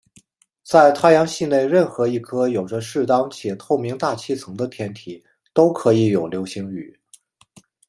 在太阳系内任何一颗有着适当且透明大气层的天体都可以有流星雨。